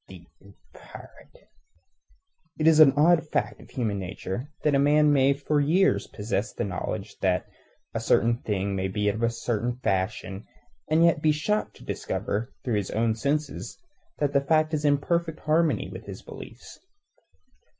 Thief and pirate! It is an odd fact of human nature that a man may for years possess the knowledge that a certain thing must be of a certain fashion, and yet be shocked to discover through his own senses that the fact is in perfect harmony with his beliefs.